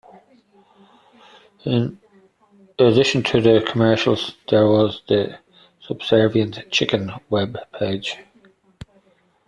In addition to the commercials, there was "The Subservient Chicken" web page.